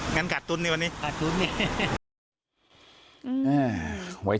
งั้นกัดตุ้นนี่วันนี้